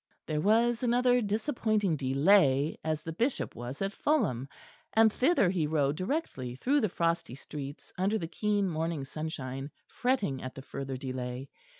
There was another disappointing delay as the Bishop was at Fulham; and thither he rode directly through the frosty streets under the keen morning sunshine, fretting at the further delay.